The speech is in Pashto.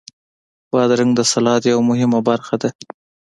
بادرنګ د سلاد یوه مهمه برخه ده.